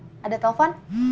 maaf sebentar ada telepon